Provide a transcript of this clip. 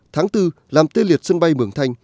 tháng bốn làm tê liệt sân bay mường thanh